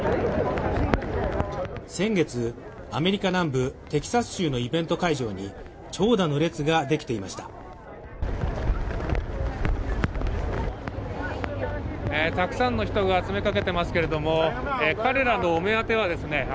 先月アメリカ南部テキサス州のイベント会場に長蛇の列ができていましたたくさんの人が詰め掛けてますけれどもお目当てはですね